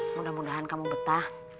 mudah mudahan kamu betah